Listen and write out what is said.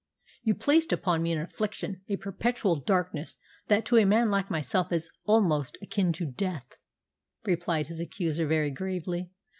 "You placed upon me an affliction, a perpetual darkness, that to a man like myself is almost akin to death," replied his accuser very gravely.